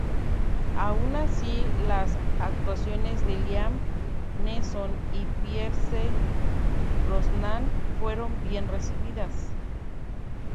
Aun así, las actuaciones de Liam Neeson y Pierce Brosnan fueron bien recibidas.